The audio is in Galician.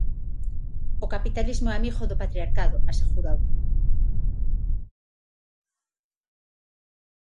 O capitalismo é amigo do patriarcado, asegurou.